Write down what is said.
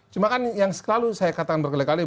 cuma kan yang selalu saya katakan berkeliling keliling